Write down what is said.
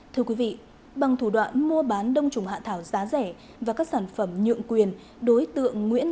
thưa quý vị bằng thủ đoạn mua bán đông trùng hạ thảo giá rẻ và các sản phẩm nhượng quyền đối tượng nguyễn